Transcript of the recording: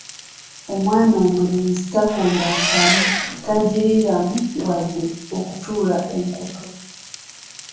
Omwana omulenzi takomba ntamu, tagiriiramu wadde okutuula enkoto.